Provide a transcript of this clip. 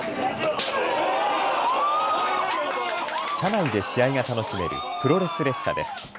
車内で試合が楽しめるプロレス列車です。